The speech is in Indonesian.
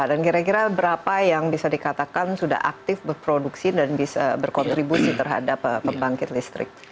dan kira kira berapa yang bisa dikatakan sudah aktif berproduksi dan bisa berkontribusi terhadap pembangkit listrik